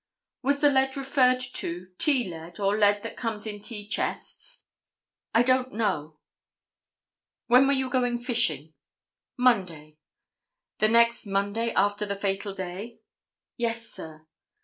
"Was the lead referred to tea lead or lead that comes in tea chests?" "I don't know." "When were you going fishing?" "Monday." "The next Monday after the fatal day?" "Yes, sir."